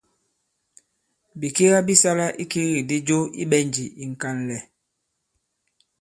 Bìkiga bi sala ikigikdi jo i ɓɛ̀njì ì ŋ̀kànlɛ̀.